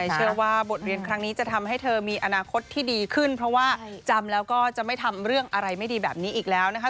เชื่อว่าบทเรียนครั้งนี้จะทำให้เธอมีอนาคตที่ดีขึ้นเพราะว่าจำแล้วก็จะไม่ทำเรื่องอะไรไม่ดีแบบนี้อีกแล้วนะคะ